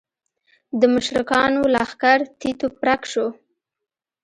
د مشرکانو لښکر تیت و پرک شو.